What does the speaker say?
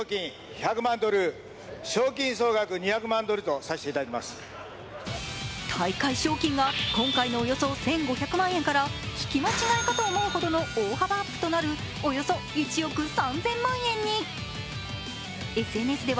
それが大会賞金が今回のおよそ１５００万円から聞き間違えかと思うほどの大幅アップとなるおよそ１億３０００万円に。